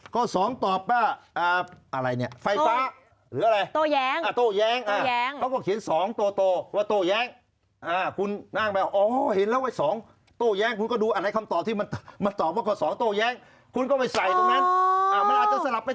ข้อ๒ตอบอะไรเมื่ออะไรไฟป่าหรืออะไร